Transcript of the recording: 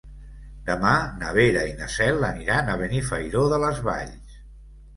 Demà na Vera i na Cel aniran a Benifairó de les Valls.